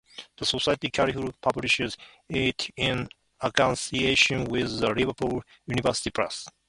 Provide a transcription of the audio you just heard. The society currently publishes it in association with the Liverpool University Press.